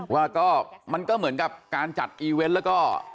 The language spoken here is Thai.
ว่าก็มันก็เหมือนกับการจัดอีเวนต์แล้วก็